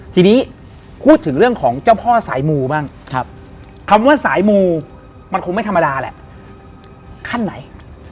ทีนี้พูดถึงเรื่องของเจ้าพ่อสายมูบ้างคำว่าสายมูมันคงไม่ธรรมดาแหละขั้นไหน